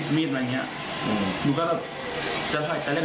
พอเขาตกใจหนูสติดแปด